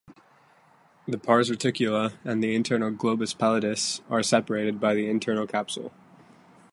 The pars reticulata and the internal globus pallidus are separated by the internal capsule.